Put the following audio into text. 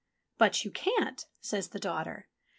"But you can't," says the daughter.